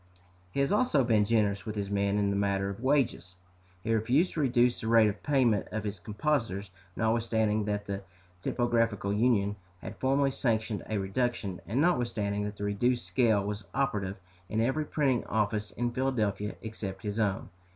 He has also been generous with his men in the matter of wages. "He refused to reduce the rate of payment of his compositors, notwithstanding that the Typographical Union had formerly sanctioned a reduction, and notwithstanding that the reduced scale was operative in every printing office in Philadelphia except his own.